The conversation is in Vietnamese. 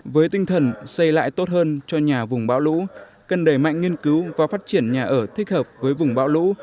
với tinh thần xây lại tốt hơn cho nhà vùng bão lũ cần đẩy mạnh nghiên cứu và phát triển nhà ở thích hợp với vùng bão lũ